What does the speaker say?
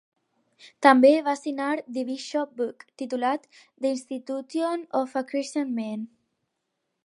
També va signar The bishops' book, titulat "The Institution of a Christian Man".